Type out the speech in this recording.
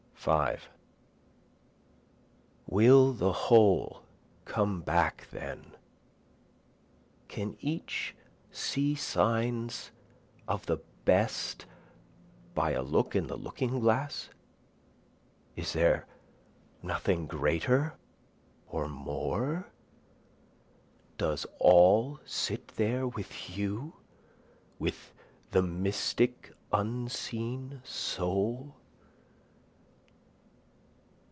5 Will the whole come back then? Can each see signs of the best by a look in the looking glass? is there nothing greater or more? Does all sit there with you, with the mystic unseen soul?